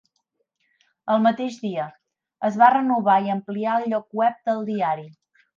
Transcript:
El mateix dia, es va renovar i ampliar el lloc web del diari.